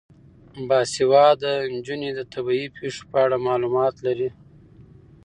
باسواده نجونې د طبیعي پیښو په اړه معلومات لري.